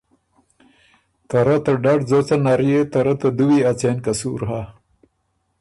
ته رۀ ته ډډ ځوڅن نر يې ته رۀ ته دُوی ا څېن قصور هۀ؟